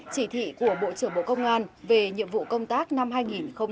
chỉ thị của bộ trưởng bộ công an về nhiệm vụ công tác năm hai nghìn hai mươi bốn